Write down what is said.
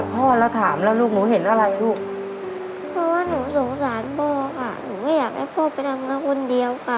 พร้อมที่จะอยู่ดูแลเขาไปตลอด